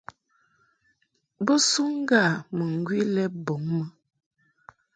Bo suŋ ŋga mɨŋgwi lɛ bɔŋ mɨ.